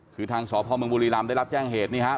คือทางสพบุรีลำได้รับแจ้งเหตุนะครับ